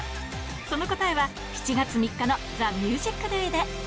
その答えは、７月３日のＴＨＥＭＵＳＩＣＤＡＹで。